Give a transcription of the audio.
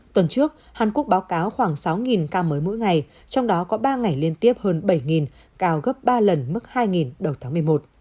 tuần trước hàn quốc báo cáo khoảng sáu ca mới mỗi ngày trong đó có ba ngày liên tiếp hơn bảy cao gấp ba lần mức hai đầu tháng một mươi một